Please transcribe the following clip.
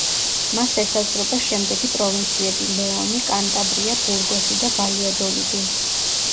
მას ესაზღვრება შემდეგი პროვინციები: ლეონი, კანტაბრია, ბურგოსი და ვალიადოლიდი.